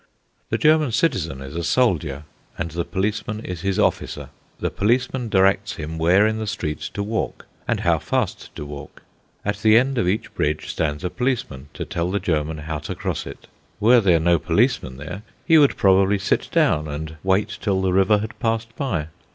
The German citizen is a soldier, and the policeman is his officer. The policeman directs him where in the street to walk, and how fast to walk. At the end of each bridge stands a policeman to tell the German how to cross it. Were there no policeman there, he would probably sit down and wait till the river had passed by.